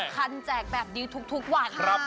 ๑๑๐คันแจกแบบดีทุกวันค่ะ